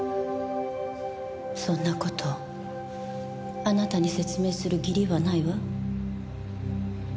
そんな事あなたに説明する義理はないわ。